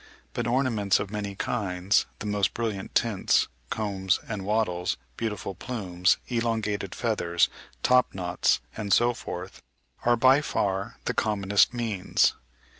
But ornaments of many kinds, the most brilliant tints, combs and wattles, beautiful plumes, elongated feathers, top knots, and so forth, are by far the commonest means.